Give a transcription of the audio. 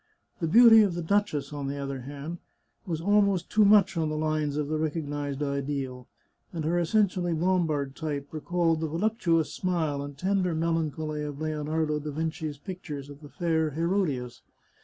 The beauty of the duchess, on the contrary, was almost too much on the lines of the recognised ideal, and her essentially Lombard type recalled the voluptuous smile and tender melancholy of Lionardo da Vinci's pictures of the fair Herodias.